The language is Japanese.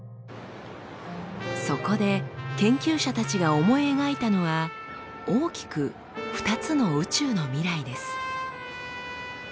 そこで研究者たちが思い描いたのは大きく２つの宇宙の未来です。